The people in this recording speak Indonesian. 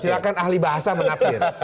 silahkan ahli bahasa mengaktir